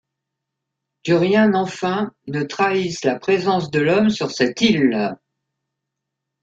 Que rien enfin ne trahisse la présence de l’homme sur cette île!